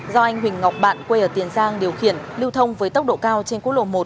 do anh huỳnh ngọc bạn quê ở tiền giang điều khiển lưu thông với tốc độ cao trên quốc lộ một